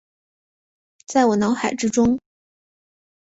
在我脑海之中